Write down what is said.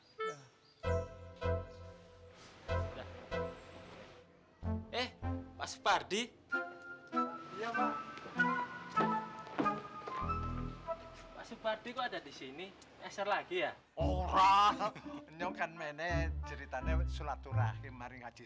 pas pardi kok ada di sini eser lagi ya orang nyokan mene ceritanya sulaturahim hari ngaji